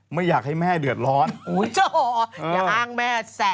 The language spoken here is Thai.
ไม่อยากให้แม่เดือดร้อนโหเจ้าอย่างอั้งแม่แสน